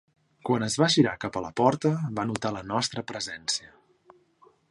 Quan es va girar cap a la porta, va notar la nostra presència.